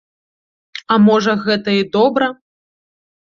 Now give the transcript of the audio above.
А можа гэта і добра.